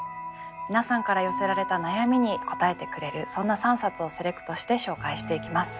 皆さんから寄せられた悩みに答えてくれるそんな３冊をセレクトして紹介していきます。